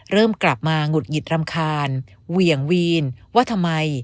เริ่มกลับมาหงุดหงิดรำคาญเหวี่ยงวีนว่าทำไม